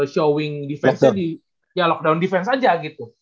showing defense nya di ya lockdown defense aja gitu